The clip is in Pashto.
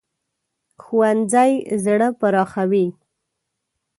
ښوونځی زړه پراخوي